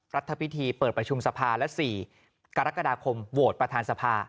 รัฐพิธีเปิดประชุมสภาและ๔กรกฎาคมโหวตประธานสภา